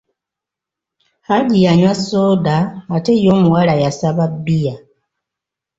Haji yanywa sooda ate ye omuwala yasaba bbiya.